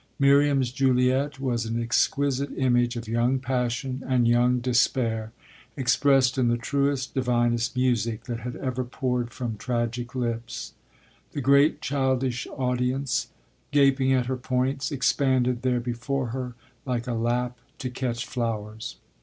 Miriam's Juliet was an exquisite image of young passion and young despair, expressed in the truest, divinest music that had ever poured from tragic lips. The great childish audience, gaping at her points, expanded there before her like a lap to catch flowers.